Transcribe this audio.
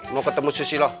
mau ketemu susilo